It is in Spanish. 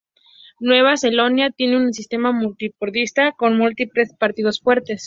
Nueva Caledonia tiene un sistema multipartidista con múltiples partidos fuertes.